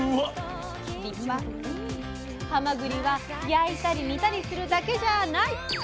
はまぐりは焼いたり煮たりするだけじゃない！